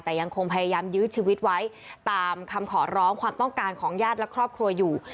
แต่ยังคงพยายามยื้อชีวิตไว้ตามคำขอร้องความต้องการของญาติและครอบครัวอยู่